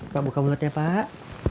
pak buka mulutnya pak